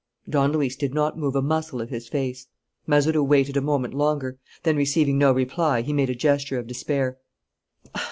Don Luis did not move a muscle of his face. Mazeroux waited a moment longer. Then, receiving no reply, he made a gesture of despair.